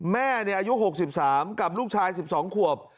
แม่อายุ๖๓กับลูกชาย๑๒ขวบ